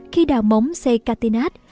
khi đào móng xây cátinat